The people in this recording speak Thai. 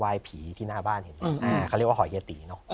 ไหว้ผีที่หน้าบ้านเขาเรียกว่าหอยยะตีเนอะ